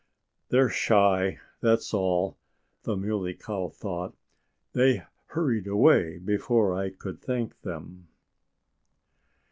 "They're shy that's all," the Muley Cow thought. "They hurried away before I could thank them."